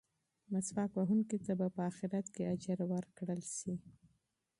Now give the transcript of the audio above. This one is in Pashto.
مسواک وهونکي ته به په اخرت کې اجر ورکړل شي.